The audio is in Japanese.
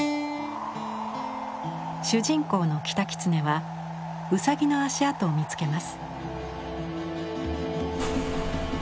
主人公のキタキツネはウサギの足跡を見つけます。